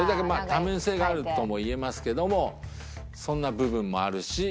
多面性があるともいえますけどもそんな部分もあるし。